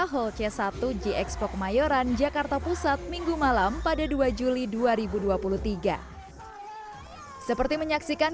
hall c satu g expo kemayoran jakarta pusat minggu malam pada dua juli dua ribu dua puluh tiga seperti menyaksikan